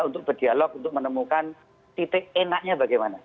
untuk berdialog untuk menemukan titik enaknya bagaimana